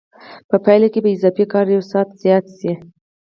په پایله کې به اضافي کار یو ساعت زیات شي